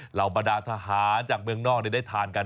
เหล่าบรรดาทหารจากเมืองนอกได้ทานกัน